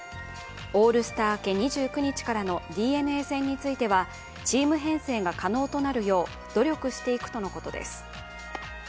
オールスター明け２９日からのＤｅＮＡ戦についてはチーム編成が可能となるよう努力していくとのことです。